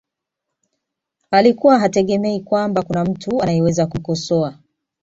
alikuwa hategemei kwamba kuna mtu anayeweza kumkosoa